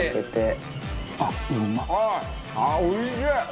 あっおいしい！